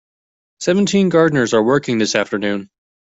Seventeen gardeners are working this afternoon.